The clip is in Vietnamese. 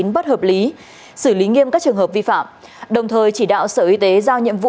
bất hợp lý xử lý nghiêm các trường hợp vi phạm đồng thời chỉ đạo sở y tế giao nhiệm vụ